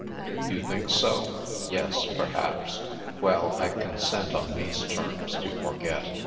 "You think so? Yes — ^perhaps. Well, I con sent on these terms to forget.